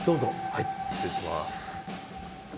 はい失礼します。